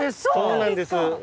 そうなんですか！